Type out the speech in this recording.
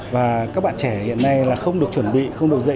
và các bạn trẻ hiện nay là không được chuẩn bị không được dạy